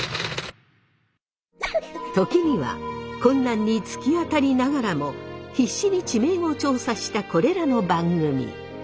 時には困難に突き当たりながらも必死に地名を調査したこれらの番組。